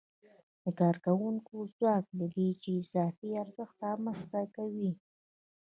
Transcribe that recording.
د کارکوونکو ځواک دی چې اضافي ارزښت رامنځته کوي